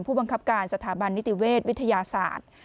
ผู้บังคับการสถาบันนิติเวชวิทยาศาสตร์